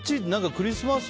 クリスマス